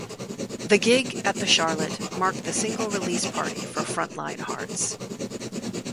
The gig at The Charlotte marked the single release party for Frontline Hearts.